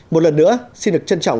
một lần nữa xin được trân trọng